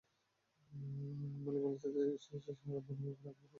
মালি বাংলাদেশ থেকে সার আমদানির ব্যাপারে আগ্রহ প্রকাশ করেছে।